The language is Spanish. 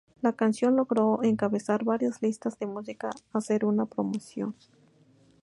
La canción logró encabezar varias listas de música hacer una promoción.